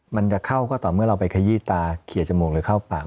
มันจะเข้าก็ต่อเมื่อเราไปขยี้ตาเขียดจมูกหรือเข้าปาก